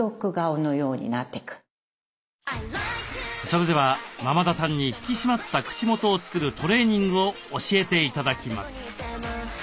それでは間々田さんに引き締まった口元を作るトレーニングを教えて頂きます。